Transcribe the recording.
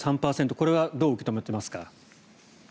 これはどう受け止めていますか？